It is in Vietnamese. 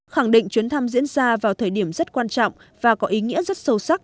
khẳng định chuyến thăm diễn ra vào thời điểm rất quan trọng và có ý nghĩa rất sâu sắc